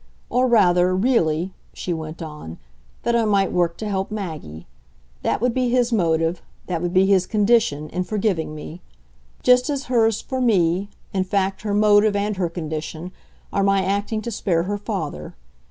Or rather, really," she went on, "that I might work to help Maggie. That would be his motive, that would be his condition, in forgiving me; just as hers, for me, in fact, her motive and her condition, are my acting to spare her father.